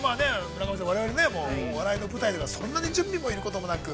村上さん、我々ね笑いの舞台とかそんなに準備もいることもなく。